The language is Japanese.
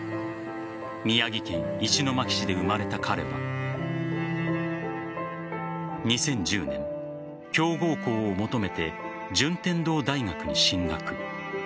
宮城県石巻市で生まれた彼は２０１０年、強豪校を求めて順天堂大学に進学。